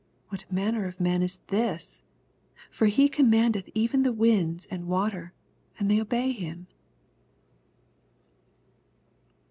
What manner of man is this I for he oommandeth even the winds and water, and they obey him.